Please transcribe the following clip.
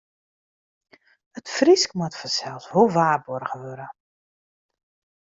It Frysk moat fansels wol waarboarge wurde.